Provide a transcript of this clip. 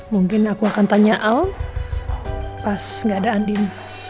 mungkin aku akan tanya al pas gak ada andien